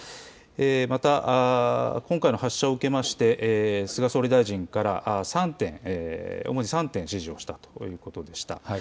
また、今回の発射を受けまして菅総理大臣から主に３点指示をしたということでした。